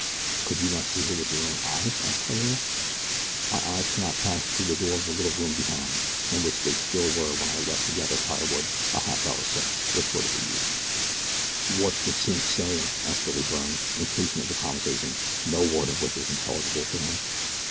"Could you not see her with your own eyes?" asked Theriere. "My eyes cannot pass through the door of the little room behind, in which they still were when I left to gather firewood a half hour since," retorted the youth. "Wot's de Chink sayin'?" asked Billy Byrne, impatient of the conversation, no word of which was intelligible to him.